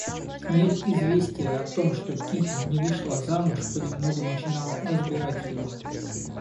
Хмель известия о том, что Кити не вышла замуж, понемногу начинал разбирать его.